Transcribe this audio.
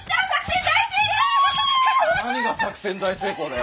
何が「作戦大成功」だよ。